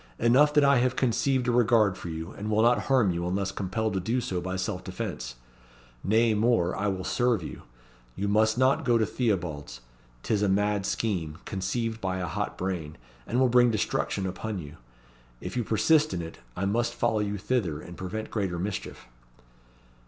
Enough that I have conceived a regard for you, and will not harm you, unless compelled to do so by self defence. Nay more, I will serve you. You must not go to Theobalds. 'Tis a mad scheme, conceived by a hot brain, and will bring destruction upon you. If you persist in it, I must follow you thither, and prevent greater mischief."